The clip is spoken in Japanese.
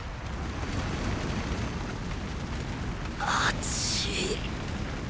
熱い